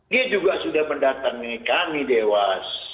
dia juga sudah mendatangi kami dewas